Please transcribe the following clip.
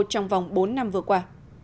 trong vòng bốn năm vừa qua